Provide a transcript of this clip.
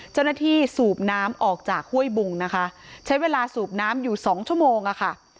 เจ้าหน้าที่สูบน้ำออกจากห้วยบุงนะคะใช้เวลาสูบน้ำอยู่สองชั่วโมงอ่ะค่ะครับ